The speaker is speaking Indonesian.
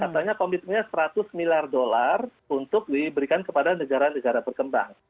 katanya komitmennya seratus miliar dolar untuk diberikan kepada negara negara berkembang